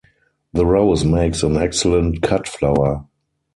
The rose makes an excellent cut flower.